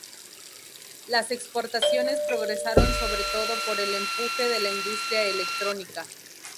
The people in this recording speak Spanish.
Las exportaciones progresaron sobre todo por el empuje de la industria electrónica.